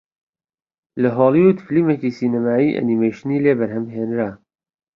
لە هۆڵیوود فیلمێکی سینەمایی ئەنیمەیشنی لێ بەرهەم هێنرا